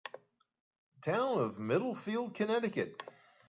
Town of Middlefield, Connecticut.